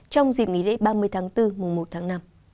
trong dịp nghỉ lễ ba mươi tháng bốn mùa một tháng năm